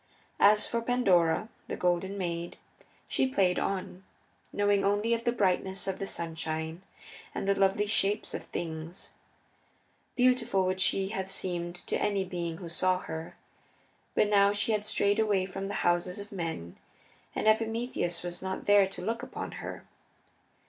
As for Pandora, the Golden Maid, she played on, knowing only the brightness of the sunshine and the lovely shapes of things. Beautiful would she have seemed to any being who saw her, but now she had strayed away from the houses of men and Epimetheus was not there to look upon her.